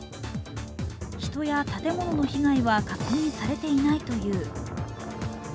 人や建物の被害は確認されていないという。